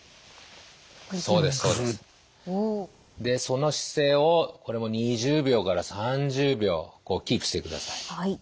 でその姿勢をこれも２０秒から３０秒キープしてください。